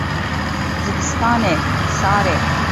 Zivistan e sar e.